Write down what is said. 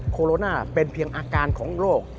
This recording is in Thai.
โคโรนาเป็นเพียงอาการของโรค